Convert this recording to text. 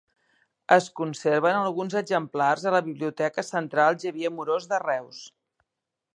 Es conserven alguns exemplars a la Biblioteca Central Xavier Amorós de Reus.